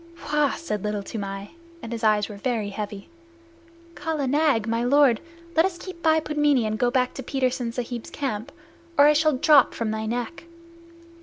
"Wah!" said Little Toomai, and his eyes were very heavy. "Kala Nag, my lord, let us keep by Pudmini and go to Petersen Sahib's camp, or I shall drop from thy neck."